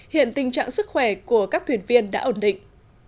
hiện tình trạng sức khỏe của các thuyền viên đã ổn định